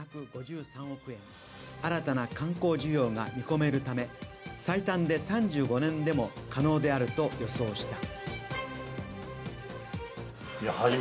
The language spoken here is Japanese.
新たな観光需要が見込めるため最短で３５年でも可能であると予想した。